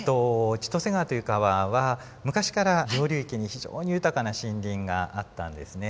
千歳川という川は昔から上流域に非常に豊かな森林があったんですね。